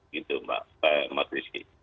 gitu mbak mas rizky